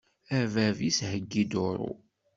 A bab-is heggi duṛu.